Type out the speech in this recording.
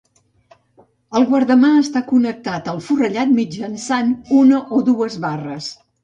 El guardamà està connectat al forrellat mitjançant una o dues barres.